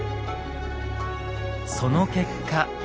その結果。